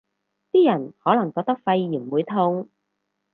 啲人可能覺得肺炎會痛